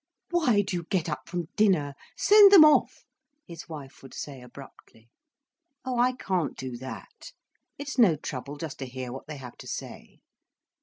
"Why do you get up from dinner?—send them off," his wife would say abruptly. "Oh, I can't do that. It's no trouble just to hear what they have to say."